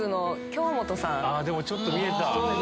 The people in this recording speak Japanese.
ちょっと見えた。